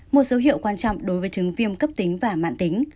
một dấu hiệu quan trọng đối với chứng viêm cấp tính và mạng tính